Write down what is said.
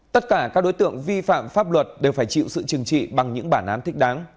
tất cả các đối tượng vi phạm pháp luật đều phải chịu sự chừng trị bằng những bản án thích đáng